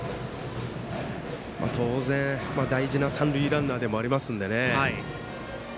当然三塁ランナーでもありますので。